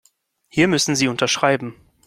Hier müssen Sie unterschreiben.